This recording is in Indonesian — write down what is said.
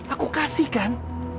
aku kasih kan